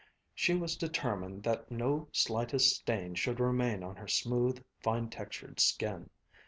She was determined that no slightest stain should remain on her smooth, fine textured skin.